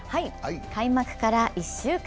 開幕から１週間。